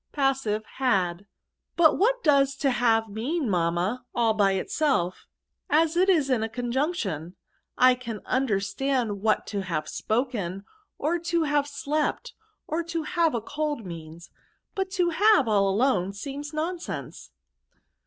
Patsive. — Had. '' But what does to have mean^ mammay all by itself^ as it is in the conjugation ? I can understand what to have spoken^ or to have slept, or to have a cold means ; but to havey all alone, seems nonsense."